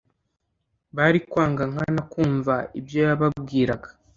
bari kwanga nkana kumva ibyo yababwiraga;